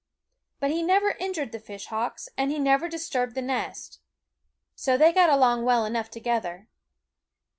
But he never injured the fishhawks, and he never disturbed the nest. So they got along well enough together.